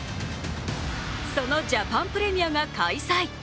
そのジャパンプレミアが開催。